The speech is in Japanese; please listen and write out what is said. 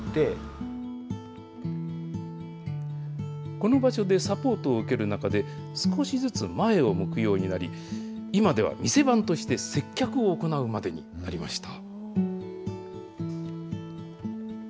この場所でサポートを受ける中で、少しずつ前を向くようになり、今では店番として接客を行うまでになりました。